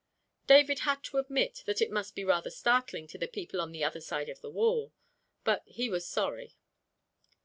David had to admit that it must be rather startling to the people on the other side of the wall, but he was sorry.